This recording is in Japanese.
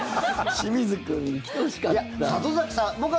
清水君に来てほしかった。